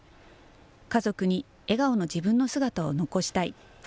家族に笑顔の自分の姿を残したい。